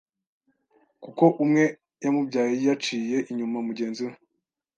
kuko umwe yamubyaye yaciye inyuma mugenzi we.